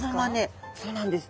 そうなんです。